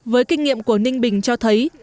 với kinh nghiệm của ninh bình cho thấy